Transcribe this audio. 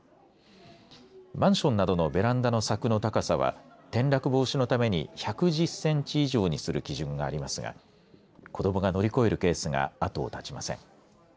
マンションなどのベランドの柵の高さは転落防止のために１１０センチ以上にする基準がありますが子どもが乗り越えるケースが後を絶ちません。